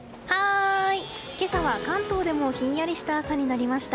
今朝は、関東でもひんやりした朝になりました。